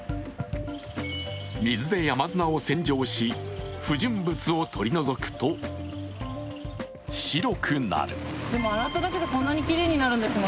水で山砂を洗浄し、不純物を取り除くと白くなる。